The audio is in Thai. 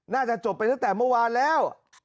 น่าจะจบไปตั้งแต่เมื่อวานแล้ว